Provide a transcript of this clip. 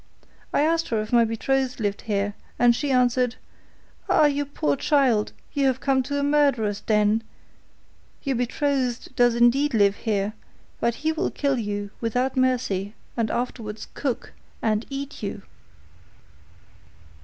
I asked her if my betrothed lived here, and she answered, "Ah, you poor child, you are come to a murderers' den; your betrothed does indeed live here, but he will kill you without mercy and afterwards cook and eat you."